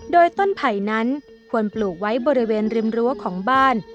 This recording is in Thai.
โดยต้นไผ่นั้นควรปลูกไว้บริเวณริมรั้วของบ้าน